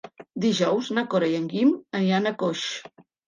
Dijous na Cora i en Guim aniran a Coix.